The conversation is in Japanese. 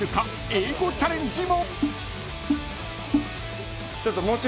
［英語チャレンジも］